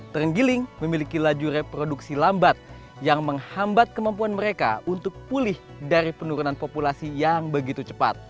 terenggiling memiliki laju reproduksi lambat yang menghambat kemampuan mereka untuk pulih dari penurunan populasi yang begitu cepat